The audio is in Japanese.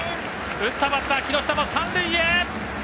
打ったバッター、木下も三塁へ。